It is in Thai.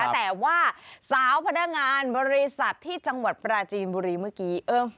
แต่ว่าสาวพนักงานบริษัทที่จังหวัดปราจีนบุรีเมื่อกี้